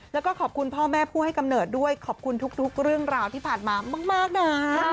แล้วก็ขอบคุณพ่อแม่ผู้ให้กำเนิดด้วยขอบคุณทุกเรื่องราวที่ผ่านมามากนะ